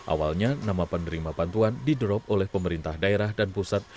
awalnya nama penerima bantuan di drop oleh pemerintah daerah dan pusat